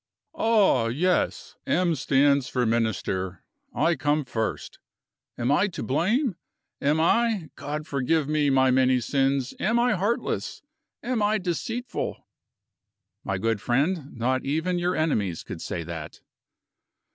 "Ah, yes; 'M' stands for Minister; I come first. Am I to blame? Am I God forgive me my many sins am I heartless? Am I deceitful?" "My good friend, not even your enemies could say that!"